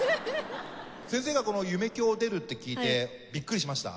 先生がこの夢響に出るって聞いてビックリしました？